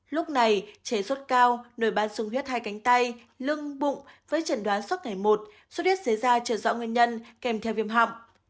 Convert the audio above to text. lúc này chế suất cao nổi ban sung huyết hai cánh tay lưng bụng với trần đoán suất ngày một suất huyết dưới da trở rõ nguyên nhân kèm theo viêm họng